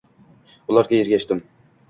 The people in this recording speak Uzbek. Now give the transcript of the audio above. Ularga ergashdim